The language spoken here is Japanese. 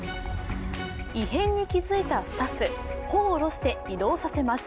胃変に気づいたスタッフ、帆を下ろして移動させます。